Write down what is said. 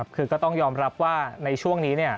คือก็ต้องยอมรับว่าในช่วงนี้